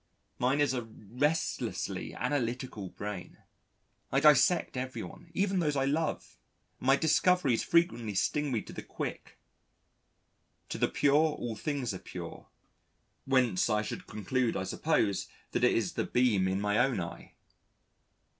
Mine is a restlessly analytical brain. I dissect everyone, even those I love, and my discoveries frequently sting me to the quick. "To the pure all things are pure," whence I should conclude I suppose that it is the beam in my own eye.